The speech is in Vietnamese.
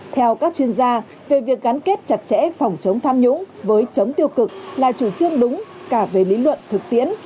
theo các chuyên gia về việc gắn kết chặt chẽ phòng chống tham nhũng với chống tiêu cực là chủ trương đúng cả về lý luận thực tiễn